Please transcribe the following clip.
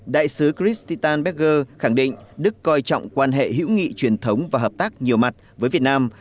đại sứ christitan becker khẳng định đức coi trọng quan hệ hữu nghị truyền thống và hợp tác nhiều mặt với việt nam